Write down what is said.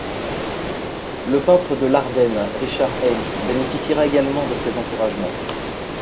Le peintre de l’Ardenne, Richard Heintz, bénéficiera également de ses encouragements.